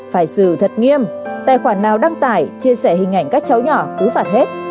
phải xử thật nghiêm tài khoản nào đăng tải chia sẻ hình ảnh các cháu nhỏ cứ phạt hết